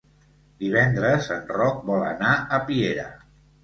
Divendres en Roc vol anar a Piera.